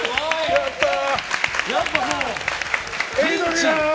やったー！